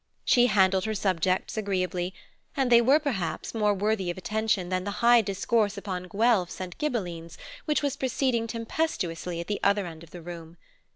She handled her subjects agreeably, and they were, perhaps, more worthy of attention than the high discourse upon Guelfs and Ghibellines which was proceeding tempestuously at the other end of the room.